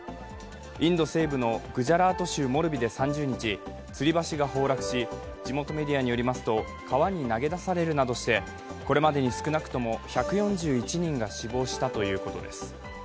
インド西部のクジャラート州モルビで３０日、つり橋が崩落し、地元メディアによりますと川に投げ出されるなどしてこれまでに少なくとも１４１人が死亡したということです。